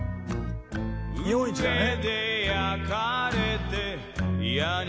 日本一だね。